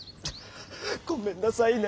ごめんなさいね。